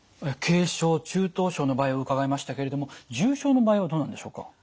軽症中等症の場合を伺いましたけれども重症の場合はどうなんでしょうか？